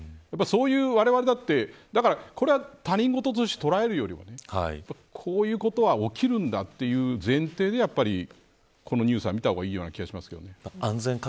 われわれだってだからこれは他人事として捉えるよりもこういうことが起きるんだという前提でこのニュースは見た方がいいような気がしますね。